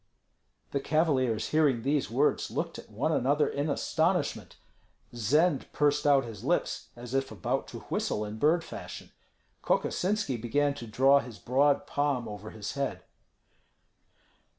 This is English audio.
The cavaliers hearing these words looked at one another in astonishment. Zend pursed out his lips as if about to whistle in bird fashion. Kokosinski began to draw his broad palm over his head.